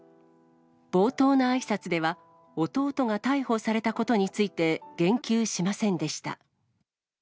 冒頭のあいさつでは、弟が逮捕されたことについて、言及しませんでした。